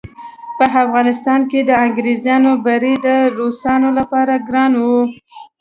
په افغانستان کې د انګریزانو بری د روسانو لپاره ګران وو.